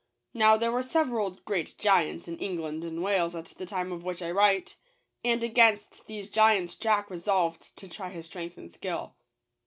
Now there were several great giants in England and Wales at the time of which I write; and against these giants Jack resolved to try his strength and skill.